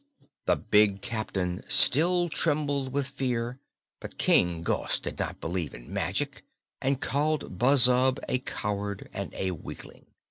The big captain still trembled with fear, but King Gos did not believe in magic, and called Buzzub a coward and a weakling.